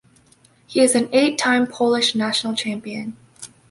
He is an eight-time Polish national champion.